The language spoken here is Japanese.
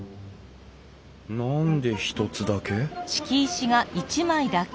何で一つだけ？